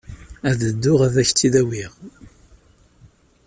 Ad dduɣ ad ak-t-id-awiɣ.